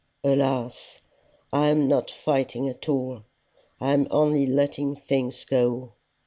"Alas! I am not fighting at all; I am only letting things go."